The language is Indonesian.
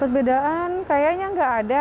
perbedaan kayaknya nggak ada